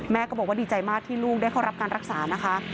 ก็บอกว่าดีใจมากที่ลูกได้เข้ารับการรักษานะคะ